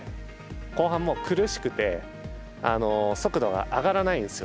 後半、もう苦しくて速度が上がらないんですよ。